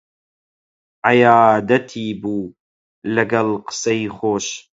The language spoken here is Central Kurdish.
عەیادەتی بوو لەگەڵ قسەی خۆش